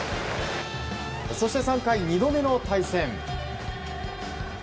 そして３回、２度目の対戦。